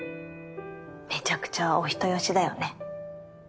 めちゃくちゃお人よしだよね。